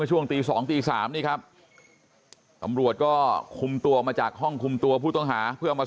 ช่วงตี๒ตี๓นี่ครับตำรวจก็คุมตัวมาจากห้องคุมตัวผู้ต้องหาเพื่อเอามา